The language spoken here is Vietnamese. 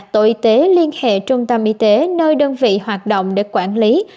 tổ y tế liên hệ trung tâm y tế nơi đơn vị hoạt động để quản lý